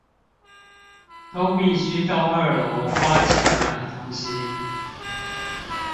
都必須到二樓花錢買東西